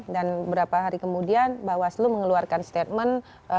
dan beberapa hari kemudian bawah selu mengeluarkan statement